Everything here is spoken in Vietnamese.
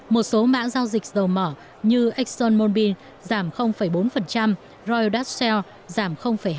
một số mã giao dịch dầu mỏ như exxonmobil giảm bốn royal dutch shell giảm hai